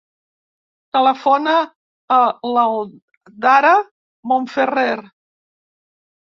Telefona a l'Adara Monferrer.